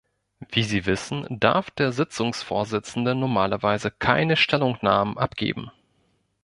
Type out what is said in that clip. Wie Sie wissen, darf der Sitzungsvorsitzende normalerweise keine Stellungnahmen abgeben.